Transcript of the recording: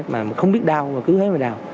mà không biết đau mà cứ thế mà đào